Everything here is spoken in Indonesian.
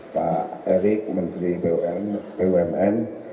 pak erik menteri bumn